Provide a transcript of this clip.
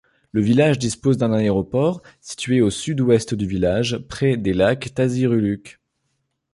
Le village dispose d'un aéroport, situé au sud-ouest du village, près des lacs Tasiruluuk.